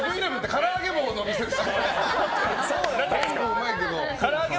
からあげ棒の店ですから。